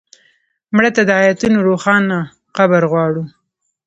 مړه ته د آیتونو روښانه قبر غواړو